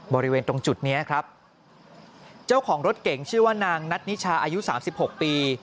บริเวณตรงจุดนี้ครับเจ้าของรถเก๋งชื่อว่านางนัทนิชาอายุสามสิบหกปี